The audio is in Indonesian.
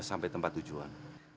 sampai tempat tujuan